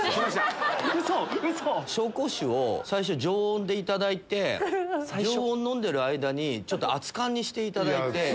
ウソ⁉最初常温でいただいて常温飲んでる間に熱かんにしていただいて。